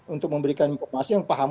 untuk memberikan informasi yang paham